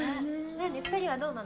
・２人はどうなの？